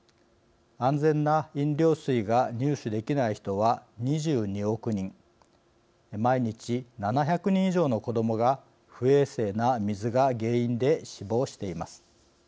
安全な飲料水が入手できない人は２２億人毎日７００人以上の子どもが不衛生な水が原因で死亡しています。